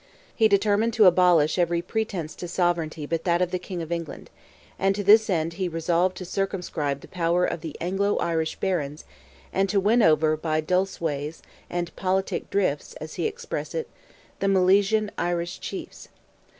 He determined to abolish every pretence to sovereignty but that of the King of England, and to this end he resolved to circumscribe the power of the Anglo Irish Barons, and to win over by "dulce ways" and "politic drifts," as he expressed it, the Milesian Irish Chiefs.